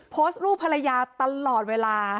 โพสต์รูปภรรยาตลอดเวลา